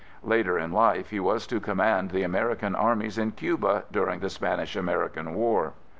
Later in life he was to command the American armies in Cuba during the Spanish American War.